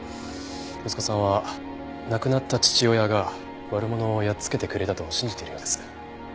息子さんは亡くなった父親が悪者をやっつけてくれたと信じているようです。